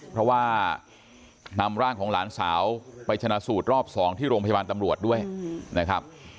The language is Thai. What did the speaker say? เพราะว่านำร่างของหลานสาวไปชนะสูตรรอบ๒ที่โรงพยาบาลตำรวจด้วยนะครับ